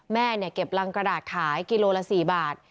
แม่เก็บรังกระดาษขายกิโลละ๔บาท